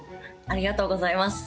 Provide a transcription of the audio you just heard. ありがとうございます。